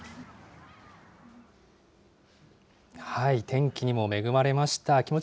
天気にも恵まれました。